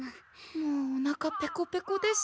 もうおなかペコペコです。